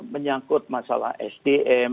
menyangkut masalah sdm